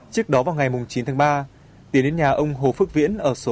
trước đó vào ngày chín tháng ba tiến đến nhà ông hồ phước viễn ở số bốn trăm năm mươi hai